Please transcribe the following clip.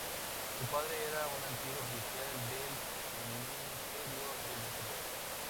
Su padre era un antiguo oficial del Ministerio del Interior.